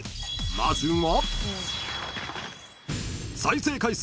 まずは］